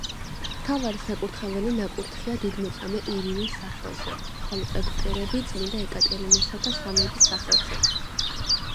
მთავარი საკურთხეველი ნაკურთხია დიდმოწამე ირინეს სახელზე, ხოლო ეგვტერები წმინდა ეკატერინესა და სამების სახელზე.